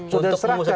sudah diserahkan gitu